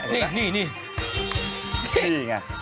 อยู่แล้ว